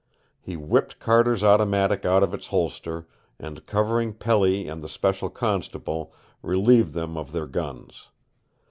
He whipped Carter's automatic out of its holster and, covering Pelly and the special constable, relieved them of their guns.